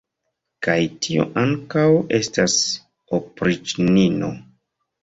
Kaj tio ankaŭ estas opriĉnino!